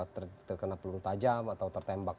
terkena peluru tajam atau tertembak